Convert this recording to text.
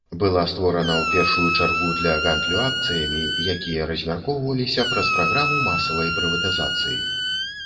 Была створана ў першую чаргу для гандлю акцыямі, якія размяркоўваліся праз праграму масавай прыватызацыі.